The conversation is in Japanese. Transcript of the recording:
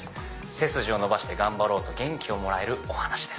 背筋を伸ばして頑張ろう！と元気をもらえるお話です。